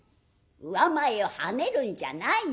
上前をはねるんじゃないよ。